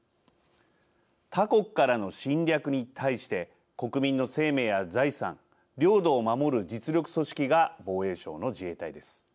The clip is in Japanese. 他国からの侵略に対して国民の生命や財産、領土を守る実力組織が防衛省の自衛隊です。